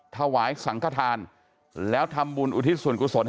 ถวายสังขทานแล้วทำบุญอุทิศส่วนกุศลให้